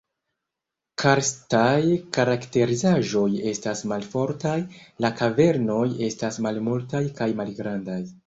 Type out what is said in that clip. Karstaj karakterizaĵoj estas malfortaj, la kavernoj estas malmultaj kaj malgrandaj.